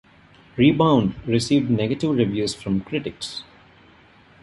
"Rebound" received negative reviews from critics.